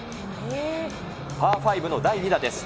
パー５の第２打です。